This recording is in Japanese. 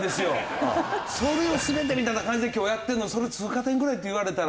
それを全てみたいな感じで今日やってるのにそれを通過点ぐらいって言われたら。